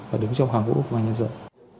và đứng trong hàng ngũ công an nhân dân